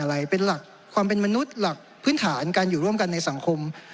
อะไรเป็นหลักความเป็นมนุษย์หลักพื้นฐานการอยู่ร่วมกันในสังคม